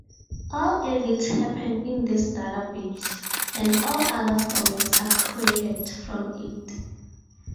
All edits happen in this database, and all other formats are created from it.